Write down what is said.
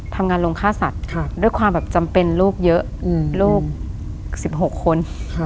ทำงานโรงฆ่าสัตว์ด้วยความแบบจำเป็นลูกเยอะลูก๑๖คน